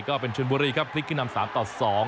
ก็เป็นชนบุรีครับพลิกขึ้นนำ๓ต่อ๒